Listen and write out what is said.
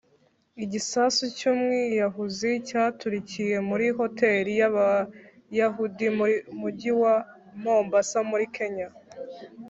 Igisasu cy’umwiyahuzi cyaturikiye muri hotel y’abayahudi mu mujyi wa Mombasa muri Kenya